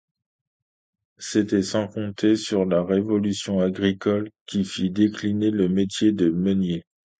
C'était sans compter sur la révolution agricole qui fit décliner le métier de meunier.